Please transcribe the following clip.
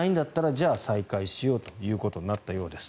じゃあ再開しようとなったようです。